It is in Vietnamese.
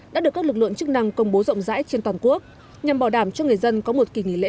đã được các lực lượng chức năng công bố rộng rãi trên toàn quốc nhằm bảo đảm cho người dân có một kỳ nghỉ lễ